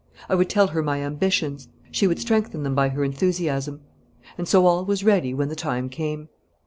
I would tell her my ambitions; she would strengthen them by her enthusiasm. And so all was ready when the time came.